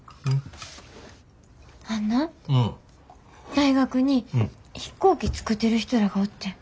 あんな大学に飛行機作ってる人らがおってん。